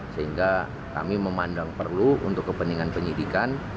sehingga kami memandang perlu untuk kepentingan penyidikan